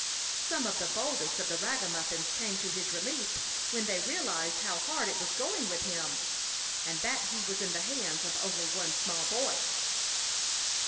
Some of the boldest of the ragamuffins came to his relief when they realized how hard it was going with him, and that he was in the hands of only one small boy.